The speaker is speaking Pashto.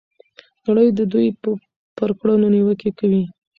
نړۍ د دوی پر کړنو نیوکې کوي.